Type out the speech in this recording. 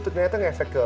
ternyata ngefek ke apa